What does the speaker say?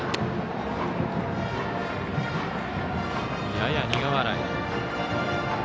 やや苦笑い。